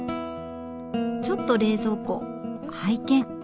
ちょっと冷蔵庫拝見。